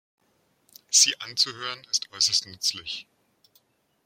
Sie anzuhören, ist äußerst nützlich.